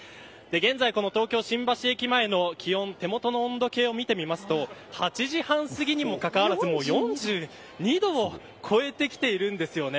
現在、この東京新橋駅前の気温手元の温度計を見てみると８時半すぎにもかかわらず４２度を超えてきているんですよね。